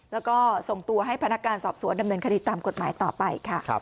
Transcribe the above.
แล้วก็ส่งตัวให้พนักการสอบสวนดำเนินคดีตามกฎหมายต่อไปค่ะ